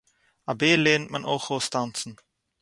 אַ בער לערנט מען אויך אויס טאַנצן.